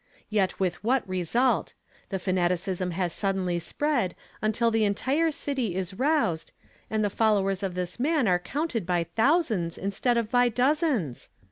Yet with what result. Tlie fanaticism has sud clenly spread until tlie entire city is roused, and he followers of this man are counted by thousands in tead of by dozens!